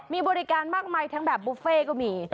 มีบริการมากมายทั้งแบบบุฟเฟ่ก็มี